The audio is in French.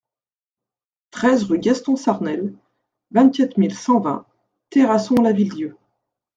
treize rue Gaston Sarnel, vingt-quatre mille cent vingt Terrasson-Lavilledieu